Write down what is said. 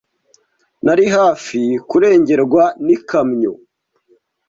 Nari hafi kurengerwa n'ikamyo.